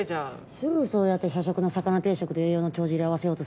すぐそうやって社食の魚定食で栄養の帳尻合わせようとする。